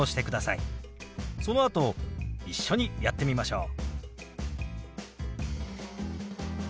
そのあと一緒にやってみましょう。